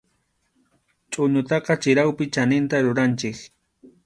Chʼuñutaqa chirawpi chaninta ruranchik.